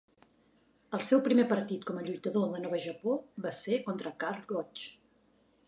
El seu primer partit com a lluitador de Nova Japó va ser contra Karl Gotch.